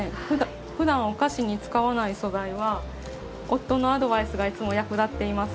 ふだんお菓子に使わない素材は夫のアドバイスがいつも役立っています。